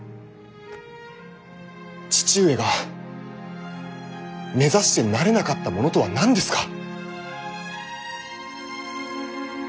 父上が目指してなれなかったものとは何ですか。